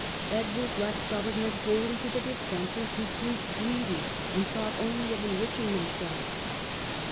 Edward left government wholly to the Despensers, who proved greedy and thought only of enriching themselves.